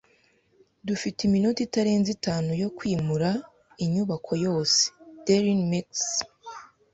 Dufite iminota itarenze itanu yo kwimura inyubako yose. (darinmex)